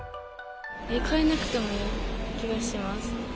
変えなくてもいい気がします。